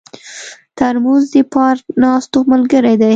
ترموز د پارک ناستو ملګری دی.